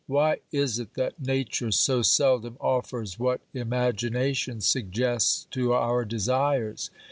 Why is it that Nature so seldom offers what imagination suggests to our desires